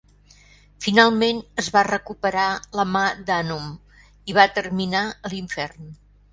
Finalment es va recuperar la mà d'Anum i va terminar a l'infern.